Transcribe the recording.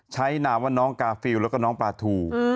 นามว่าน้องกาฟิลแล้วก็น้องปลาทู